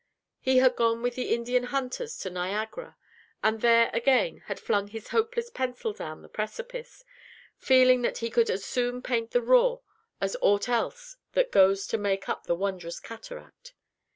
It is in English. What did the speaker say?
He had gone with the Indian hunters to Niagara, and there, again, had flung his hopeless pencil down the precipice, feeling that he could as soon paint the roar as aught else that goes to make up the wondrous cataract.